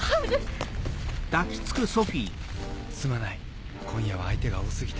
すまない今夜は相手が多過ぎた。